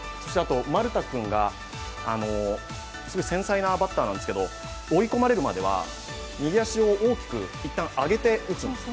丸田君が繊細なバッターなんですけど追い込まれるまでは右足を大きく一旦上げて打つんです。